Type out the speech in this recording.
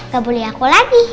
gak boleh aku lagi